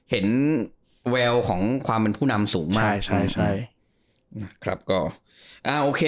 เห็นแววของความเป็นผู้นำสูงมาก